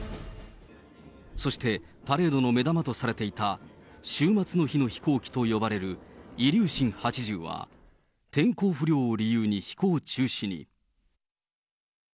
そしてパレードの目玉とされていた、終末の日の飛行機と呼ばれるイリューシン８０は、天候不良を理由に飛行中止に。